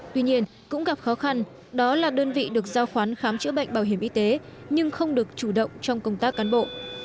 tuy nhiên cũng gặp khó khăn đó là đơn vị được giao khoán khám chữa bệnh bảo hiểm y tế nhưng không được chủ động trong công tác cán bộ